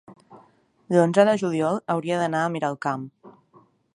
l'onze de juliol hauria d'anar a Miralcamp.